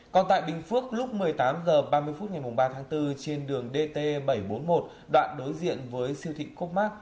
còn tại bình phước lúc một mươi tám h ba mươi phút ngày ba tháng bốn trên đường dt bảy trăm bốn mươi một đoạn đối diện với siêu thị cốt mát